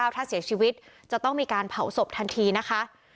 ถ้าเสียชีวิตจะต้องมีการเผาศพทันทีนะคะ